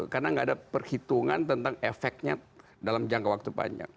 karena nggak ada perhitungan tentang efeknya dalam jangka waktu panjang